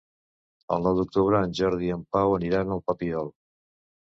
El nou d'octubre en Jordi i en Pau aniran al Papiol.